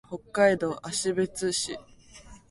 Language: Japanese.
北海道芦別市